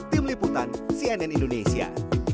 tim liputan cnn indonesia